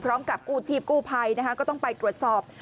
พร้อมกับกู้ชีพกู้ภัยก็ต้องไปตรวจสอบ